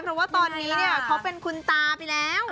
เพราะว่าตอนนี้เนี่ยเขาเป็นคุณตาไปแล้ว